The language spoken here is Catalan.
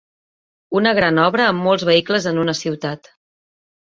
Una gran obra amb molts vehicles en una ciutat.